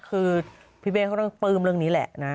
คือพี่เบ้เขาต้องปลื้มเรื่องนี้แหละนะ